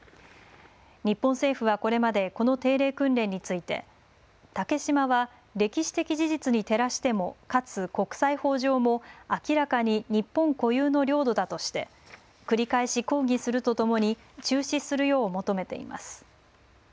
日本政府はこれまでこの定例訓練について竹島は歴史的事実に照らしてもかつ国際法上も明らかに日本固有の領土だとして繰り返し抗議するとともに中止するよう求めています。